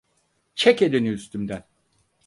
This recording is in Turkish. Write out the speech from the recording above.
Çek elini üstümden.